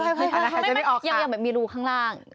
เงี้ยเหมือนมีรูข้างล่าง